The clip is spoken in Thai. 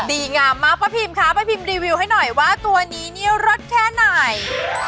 ดีงามมากป้าพิมคะป้าพิมรีวิวให้หน่อยว่าตัวนี้เนี่ยรสแค่ไหน